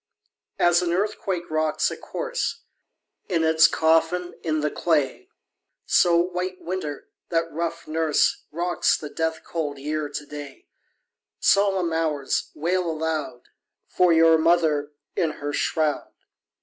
2. As an earthquake rocks a corse In its coffin in the clay, So White Winter, that rough nurse, Rocks the death cold Year to day; _10 Solemn Hours! wail aloud For your mother in her shroud.